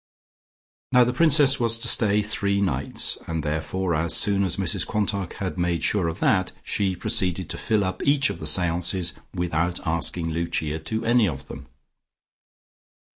Now the Princess was to stay three nights, and therefore, as soon as Mrs Quantock had made sure of that, she proceeded to fill up each of the seances without asking Lucia to any of them.